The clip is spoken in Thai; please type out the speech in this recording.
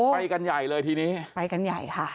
ไปกันใหญ่เลยทีนี้ไปกันใหญ่ค่ะ